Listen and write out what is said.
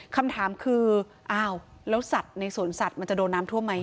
คำถามคืออ้าวแล้วสัตว์ในสวนสัตว์มันจะโดนน้ำท่วมไหม